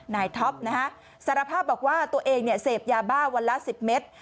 นายท็อปนะฮะสารภาพบอกว่าตัวเองเนี่ยเสพยาบ้าวันละ๑๐เมตร